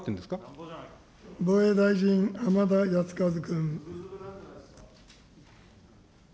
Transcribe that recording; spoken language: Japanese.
防衛大臣、浜田靖一君。